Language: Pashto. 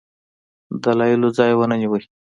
دلایلو ځای ونه نیوی.